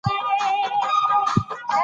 انا غوښتل چې د خپلې کرکې لامل پیدا کړي.